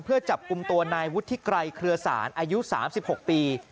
เพื่อจับกลุ่มตัวนายวุฒิไกรเครือสารอายุ๓๖ปี